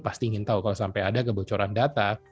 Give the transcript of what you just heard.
pasti ingin tahu kalau sampai ada kebocoran data